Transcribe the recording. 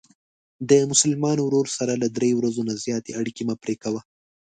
د مسلمان ورور سره له درې ورځو نه زیاتې اړیکې مه پری کوه.